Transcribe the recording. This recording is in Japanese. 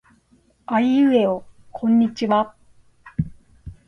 あいうえおこんにちは。